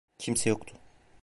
Kimse yoktu…